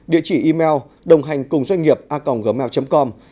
địa chỉ email đồnghànhcùngdoanhnghiệpaconggmail com